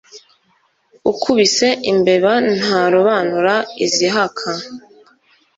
Ukubise imbeba ntarobanura izihaka.